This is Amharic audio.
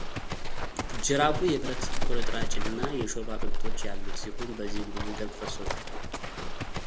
ጅራፉ የብረት ቁርጥራች እና የሾሉ አጥንቶች ያሉት ሲሆን በዚህም ብዙ ደም ፈሶታል።